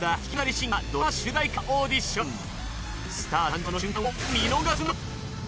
スター誕生の瞬間を見逃すな！